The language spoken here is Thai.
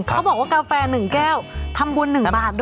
เขาบอกว่ากาแฟ๑แก้วทำบุญ๑บาท